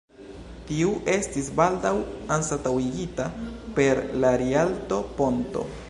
Tiu estis baldaŭ anstataŭigita per la Rialto-ponto.